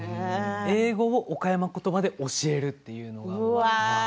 英語を岡山ことばで教えるというのは。